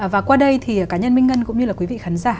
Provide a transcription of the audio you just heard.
và qua đây thì cá nhân minh ngân cũng như là quý vị khán giả